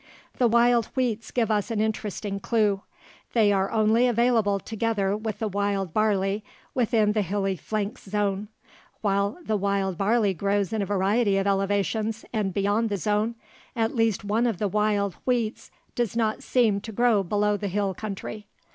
The wild wheats give us an interesting clue. They are only available together with the wild barley within the hilly flanks zone. While the wild barley grows in a variety of elevations and beyond the zone, at least one of the wild wheats does not seem to grow below the hill country.